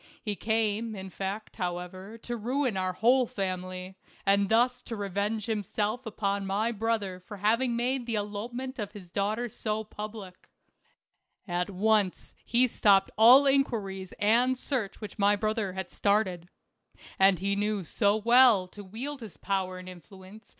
He came, in fact, however, to ruin our whole family, and thus to revenge himself upon my brother for having made the elopement of his daughter so public. At once he stopped all inquiries and search which my brother had started. And he knew so well how to wield his power and influence, 228 THE CAE A VAN.